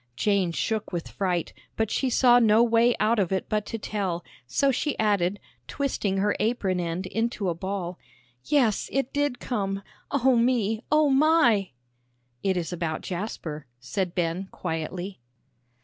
Jane shook with fright, but she saw no way out of it but to tell, so she added, twisting her apron end into a ball, "Yes, it did come, O me, O my!" "It is about Jasper," said Ben, quietly.